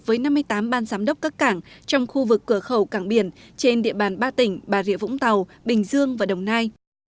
với năm mươi tám ban giám đốc các cảng trong khu vực cửa khẩu cảng biển trên địa bàn ba tỉnh bà rịa vũng tàu bình dương và đồng nai